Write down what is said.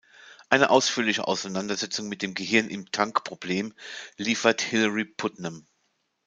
Eine ausführliche Auseinandersetzung mit dem Gehirn-im-Tank-Problem liefert Hilary Putnam.